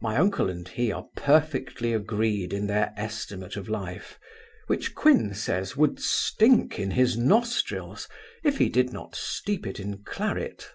My uncle and he are perfectly agreed in their estimate of life; which Quin says, would stink in his nostrils, if he did not steep it in claret.